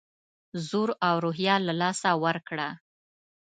زور او روحیه له لاسه ورکړه.